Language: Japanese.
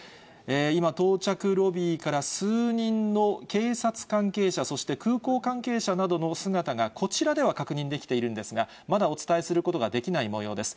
今、到着ロビーから数人の警察関係者、そして空港関係者などの姿がこちらでは確認できているんですが、まだお伝えすることができないもようです。